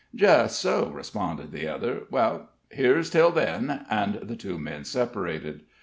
"Jus' so," responded the other. "Well, here's till then;" and the two men separated.